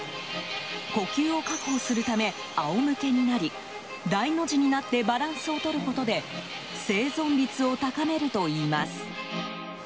呼吸を確保するため仰向けになり大の字になってバランスをとることで生存率を高めるといいます。